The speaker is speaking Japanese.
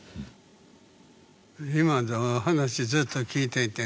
今の話ずっと聞いていてね。